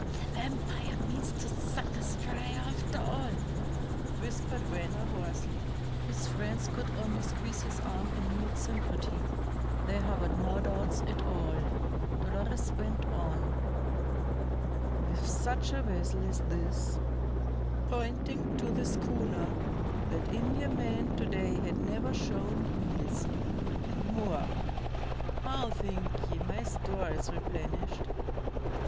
"The vampire means to suck us dry after all!" whispered Venner hoarsely. His friends could only squeeze his arm in mute sympathy. They harbored no doubts at all. Dolores went on: "With such a vessel as this" pointing to the schooner "that Indiaman to day had never shown heels. And more, how think ye my store is replenished?